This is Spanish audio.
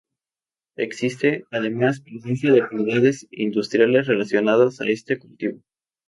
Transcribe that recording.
Existe, además, presencia de actividades industriales relacionadas a este cultivo.